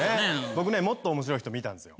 僕ねもっと面白い人見たんですよ。